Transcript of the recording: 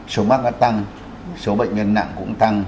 số mắc đã tăng số bệnh nhân nặng cũng tăng